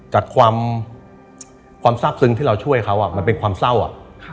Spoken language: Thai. จากความทราบซึ้งที่เราช่วยเขามันเป็นความเศร้าอ่ะ